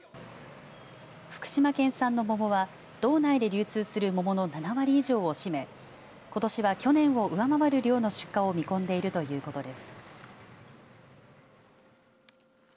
福島県産の桃は、道内で流通する桃の７割以上を占めことしは去年を上回る量の出荷を見込んでいるということです。